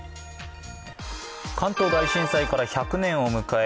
関東大震災から１００年を迎え